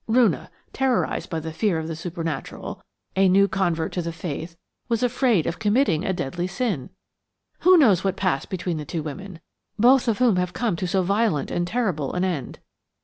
Roonah, terrorised by fear of the supernatural, a new convert to the faith, was afraid of committing a deadly sin. "Who knows what passed between the two women, both of whom have come to so violent and terrible an end?